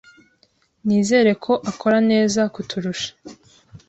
Nizere ko akora neza kuturusha.